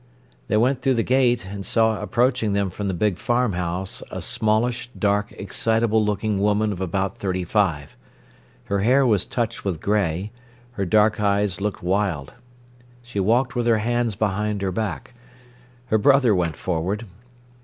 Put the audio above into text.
They went through the gate, and saw approaching them from the big farmhouse a smallish, dark, excitable looking woman of about thirty five. Her hair was touched with grey, her dark eyes looked wild. She walked with her hands behind her back. Her brother went forward.